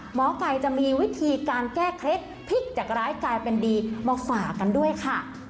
หมอไก่จะมีวิธีการแก้เคล็ดพลิกจากร้ายกลายเป็นดีมาฝากกันด้วยค่ะ